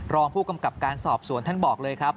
รองผู้กำกับการสอบสวนท่านบอกเลยครับ